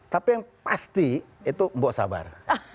tapi yang pasti itu mbok sabar